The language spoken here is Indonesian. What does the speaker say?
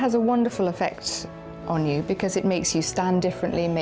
hati memiliki efek yang luar biasa pada anda karena membuat anda berdiri berbeda